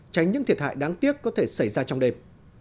tránh những thiệt hại đáng tiếc có thể xảy ra trong đêm